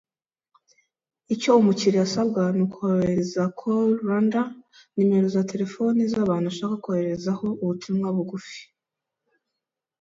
Icyo umukiriya asabwa ni uguhereza Call Rwanda nimero za terefone z’abantu ashaka kohererezaho ubutumwa bugufi